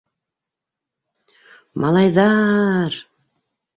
Малайҙар-ар!